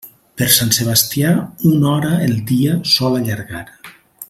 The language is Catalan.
Per Sant Sebastià, una hora el dia sol allargar.